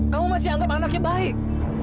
kamu masih anggap anaknya baik